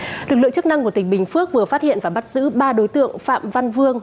lực lượng chức năng của tỉnh bình phước vừa phát hiện và bắt giữ ba đối tượng phạm văn vương